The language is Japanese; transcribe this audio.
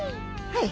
はい！